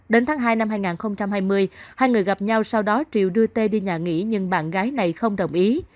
đến tháng hai năm hai nghìn hai mươi hai người gặp nhau sau đó triều đưa tê đi nhà nghỉ nhưng bạn gái này không đồng ý